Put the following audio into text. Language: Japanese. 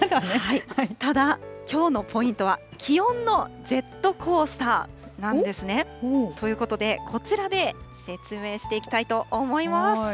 ただ、きょうのポイントは気温のジェットコースターなんですね。ということで、こちらで説明していきたいと思います。